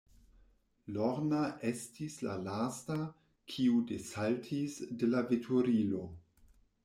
Lorna estis la lasta, kiu desaltis de la veturilo.